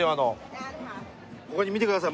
ここに見てください。